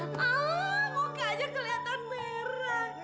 muka aja kelihatan merah